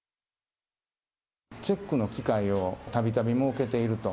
チェックの機会をたびたび設けていると。